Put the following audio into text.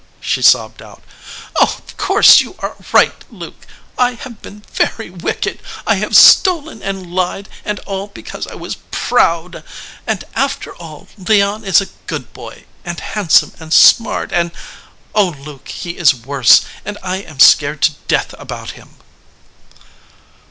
she sobbed out. "Of course you are right, Luke. I have been very wicked. I have stolen and lied, and all because I was proud; and, after all, Leon is a good boy, and handsome and smart, and oh, Luke, he is worse, and I am scared to death about him